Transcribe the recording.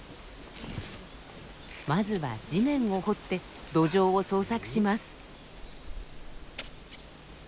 まずは地面を掘ってドジョウを捜索します。